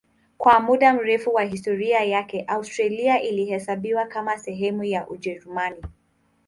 Kwa muda mrefu wa historia yake Austria ilihesabiwa kama sehemu ya Ujerumani.